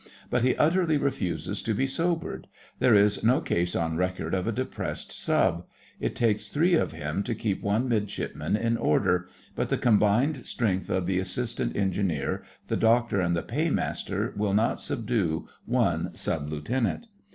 But he utterly refuses to be sobered. There is no case on record of a depressed Sub. It takes three of him to keep one Midshipman in order; but the combined strength of the Assistant Engineer, the Doctor, and the Paymaster will not subdue one Sub Lieutenant.